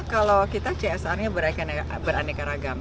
kalau kita csr nya beraneka ragam